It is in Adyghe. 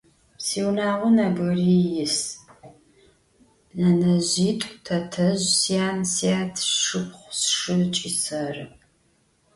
Siunağo nebgıriy yis: nenezjit'u, tetezj, syan, syat, sşşıpxhu, sşşı ıç'i serı.